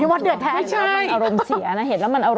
ไม่ใช่มันอารมณ์เสียนะเห็นแล้วมันอารมณ์เสีย